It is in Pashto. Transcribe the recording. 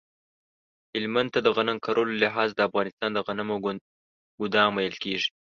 هلمند ته د غنم کرلو له لحاظه د افغانستان د غنمو ګدام ویل کیږی